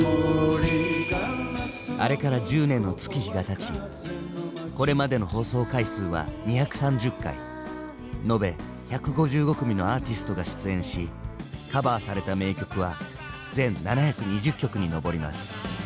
あれから１０年の月日がたちこれまでの放送回数は２３０回延べ１５５組のアーティストが出演しカバーされた名曲は全７２０曲に上ります。